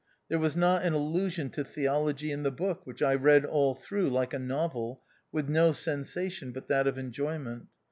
There was not an allusion to theology in the book, which I read all through like a novel, with no sensation but that of enjoyment.